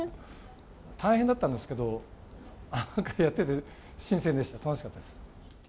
大変だったんですけど、やってて新鮮でした、楽しかったです。